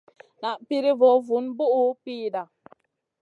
Na piri vo vun bùhʼu pida.